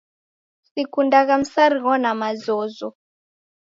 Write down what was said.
Sikundagha msarigho na mazozo